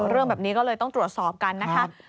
เรื่องแบบนี้ก็เลยต้องตรวจสอบกันนะคะ